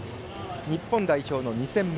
日本代表の２戦目。